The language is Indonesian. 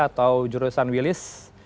atau jurusan wilis